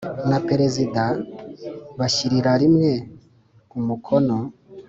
Na perezida bashyirira rimwe umukono